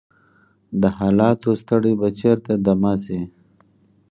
د حالاتو ستړی به چیرته دمه شي؟